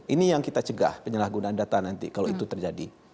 ini yang kita cegah penyalahgunaan data nanti kalau itu terjadi